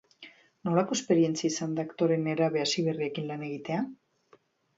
Nolako esperientzia izan da aktore nerabe hasiberriekin lan egitea?